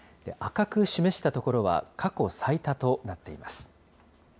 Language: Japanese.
赤く示したところは、過去最多となっています。